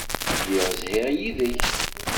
Lliɣ zhiɣ yid-k.